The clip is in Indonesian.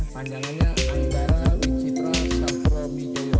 pandangannya angga wicitra sampromijoyo